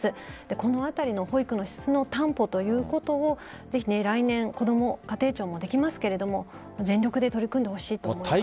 このあたりの保育の質の担保ということをぜひ来年こども家庭庁もできますが全力で取り組んでほしいと思います。